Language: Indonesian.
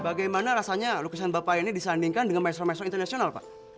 bagaimana rasanya lukisan bapak ini disandingkan dengan maestro maestro internasional pak